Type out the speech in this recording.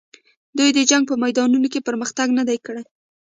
دوی د جنګ په میدانونو کې پرمختګ نه دی کړی.